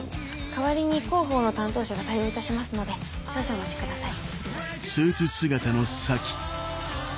代わりに広報の担当者が対応いたしますので少々お待ちください。